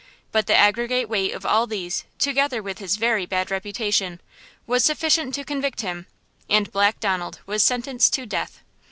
But the aggregate weight of all these, together with his very bad reputation, was sufficient to convict him, and Black Donald was sentenced to death.